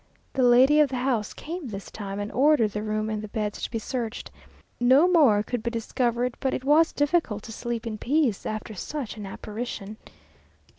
The lady of the house came this time, and ordered the room and the beds to be searched. No more could be discovered, but it was difficult to sleep in peace after such an apparition.